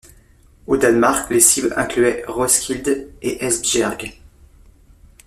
Au Danemark, les cibles incluaient Roskilde et Esbjerg.